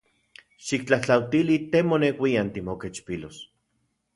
Xiktlajtlautili te moneuian timokechpilos.